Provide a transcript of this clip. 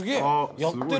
やってる！